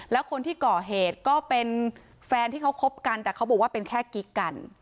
แล้วคนที่ก่อเหตุก็เป็นแฟนที่เขาคบกันแต่เขาบอกว่าเป็นแค่กิ๊กกัน